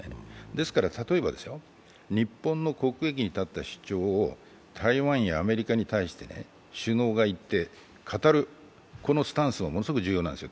ですから例えば、日本の国益に立った主張を台湾やアメリカに対して、首脳が言って語る、このスタンスはものすごく重要なんですよ。